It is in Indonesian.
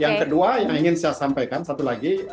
yang kedua yang ingin saya sampaikan satu lagi